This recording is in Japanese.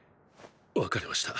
わかりました。